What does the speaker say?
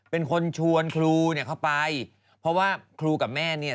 เป็นคนชวนครูเนี่ยเข้าไปเพราะว่าครูกับแม่เนี่ย